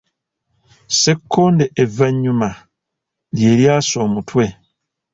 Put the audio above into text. Ssekkonde evvannyuma, lye lyasa omutwe.